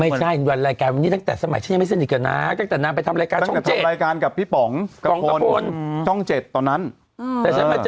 ไม่ใช่วันรายการวันนี้ตั้งแต่สมัยฉันยังไม่สนิทกับน้า